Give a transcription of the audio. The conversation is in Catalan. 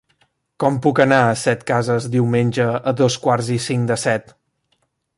Com puc anar a Setcases diumenge a dos quarts i cinc de set?